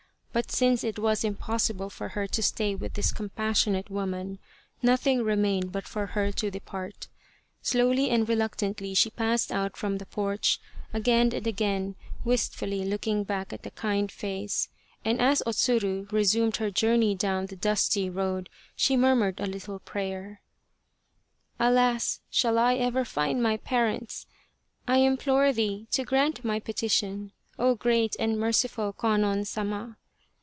But since it was impossible for her to stay with this compassionate woman, nothing remained but for her to depart. Slowly and reluctantly she passed out from the porch, again and again wistfully looking back at the kind face, and as O Tsuru resumed her journey down the dusty road she murmured a little prayer :" Alas ! Shall I ever find my parents ! I implore thee to grant my petition, O great and merciful Kwannon Sama